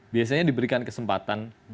biasanya diberikan kesempatan